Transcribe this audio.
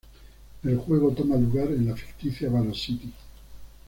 El juego toma lugar en la ficticia Valo City.